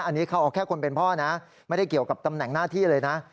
อันนี้เขาเอาแค่คนเป็นพ่อนะไม่ได้เกี่ยวกับตำแหน่งหน้าที่เลยนะ